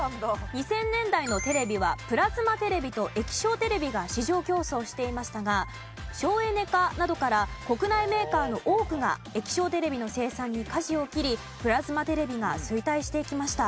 ２０００年代のテレビはプラズマテレビと液晶テレビが市場競争をしていましたが省エネ化などから国内メーカーの多くが液晶テレビの生産に舵を切りプラズマテレビが衰退していきました。